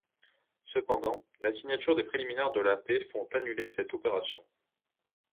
Cependant, la signature des préliminaires de la paix font annuler cette opération.